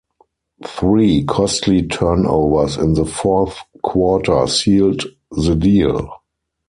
Three costly turnovers in the fourth quarter sealed the deal.